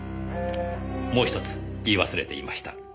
もう一つ言い忘れていました。